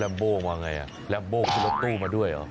แล้วลัมโบมาอย่างไรลัมโบขึ้นรถตู้มาด้วยหรือ